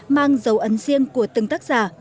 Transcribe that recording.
mang dấu ấn riêng của từng tác giả